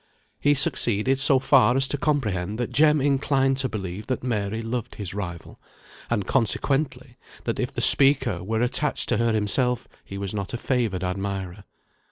He succeeded so far as to comprehend that Jem inclined to believe that Mary loved his rival; and consequently, that if the speaker were attached to her himself, he was not a favoured admirer.